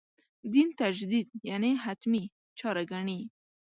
دین تجدید «حتمي» چاره ګڼي.